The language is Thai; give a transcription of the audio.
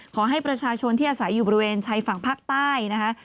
ขอให้ประชาชนที่อาศัยอยู่บริเวณชายฝั่งภาคใต้นะคะ